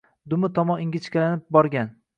Dumi tomon ingichkalashib brogan.